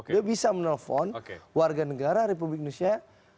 dia bisa menelpon warga negara republik indonesia